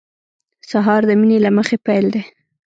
سهار د مینې له مخې پیل دی.